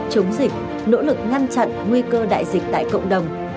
chống dịch nỗ lực ngăn chặn nguy cơ đại dịch tại cộng đồng